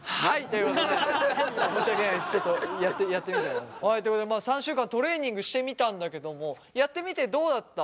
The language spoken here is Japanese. ということで３週間トレーニングしてみたんだけどもやってみてどうだった？